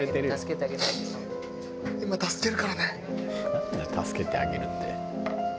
「なんだよ“助けてあげる”って」